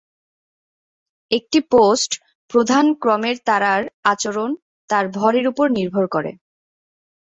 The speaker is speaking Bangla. একটি পোস্ট প্রধান ক্রমের তারার আচরণ তার ভরের উপর নির্ভর করে।